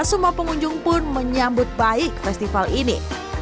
semua pengunjung pun menyambut baik festival ini